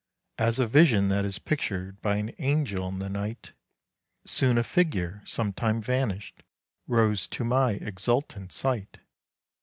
As a vision that is pictured by an angel in the night, Soon a figure, sometime vanished, rose to my exultant sight.